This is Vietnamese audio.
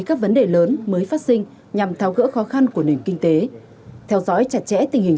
các vấn đề lớn mới phát sinh nhằm tháo gỡ khó khăn của nền kinh tế theo dõi chặt chẽ tình hình